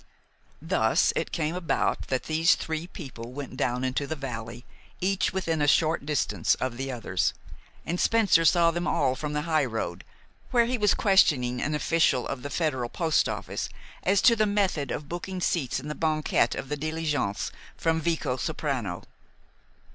Thus it came about that these three people went down into the valley, each within a short distance of the others, and Spencer saw them all from the high road, where he was questioning an official of the federal postoffice as to the method of booking seats in the banquette of the diligence from Vicosoprano.